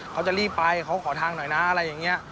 เขาจะรีบไปเขาขอทางหน่อยนะอะไรอย่างนี้